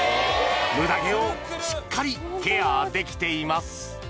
ムダ毛をしっかりケアできています